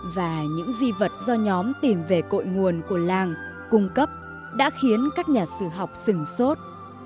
và những di vật do nhóm tìm về cội nguồn của làng cung cấp đã khiến các nhà sử học sừng sốt